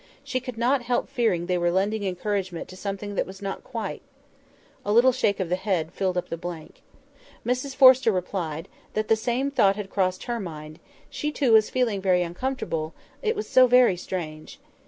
She could not help fearing they were lending encouragement to something that was not quite"— A little shake of the head filled up the blank. Mrs Forrester replied, that the same thought had crossed her mind; she too was feeling very uncomfortable, it was so very strange.